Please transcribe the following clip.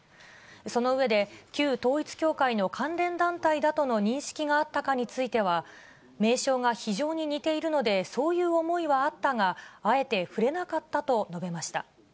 その上で、旧統一教会の関連団体だとの認識があったかについては、名称が非常に似ているのでそういう思いはあったが、あえて触れなかったと述べました。